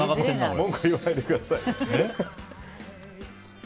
文句言わないでください。